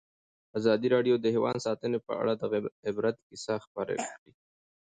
ازادي راډیو د حیوان ساتنه په اړه د عبرت کیسې خبر کړي.